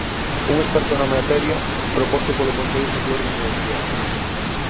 Un experto na materia, proposto polo Consello Superior de Universidades.